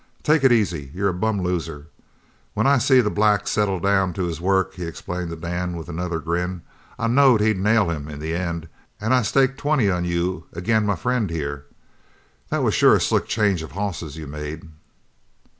"Take it easy. You're a bum loser. When I seen the black settle down to his work," he explained to Dan with another grin, "I knowed he'd nail him in the end an' I staked twenty on you agin my friend here! That was sure a slick change of hosses you made."